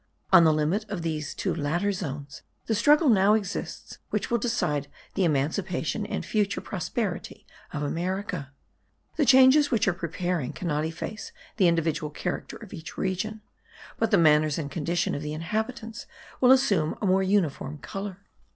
On the limit of these two latter zones the struggle now exists which will decide the emancipation and future prosperity of America. The changes which are preparing cannot efface the individual character of each region; but the manners and condition of the inhabitants will assume a more uniform colour.